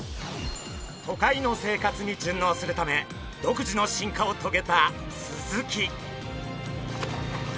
都会の生活に順応するため独自の進化をとげたスズキ。